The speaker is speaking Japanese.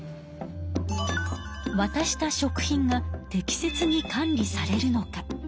わたした食品が適切に管理されるのか？